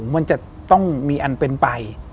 มันจะต้องมีอันเป็นไป